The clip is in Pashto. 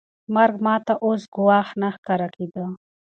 مرګ ما ته اوس ګواښ نه ښکاره کېده.